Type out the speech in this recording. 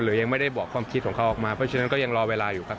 ยังไม่ได้บอกความคิดของเขาออกมาเพราะฉะนั้นก็ยังรอเวลาอยู่ครับ